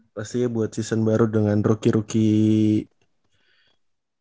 pastinya buat season baru dengan rookie rookie